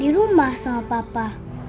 di rumah sama papa